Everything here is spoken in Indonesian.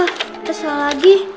kita salah lagi